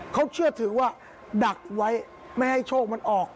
เขาเชื่อถือว่าดักไว้ไม่ให้โชคมันออก